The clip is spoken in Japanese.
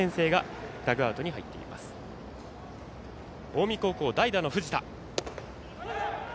近江高校、代打の藤田。